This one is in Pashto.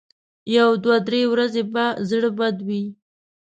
یو دوه درې ورځې به زړه بدې وي.